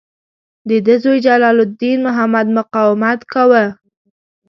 د ده زوی جلال الدین محمد مقاومت کاوه.